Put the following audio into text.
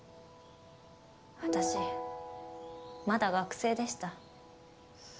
私まだ学生でした。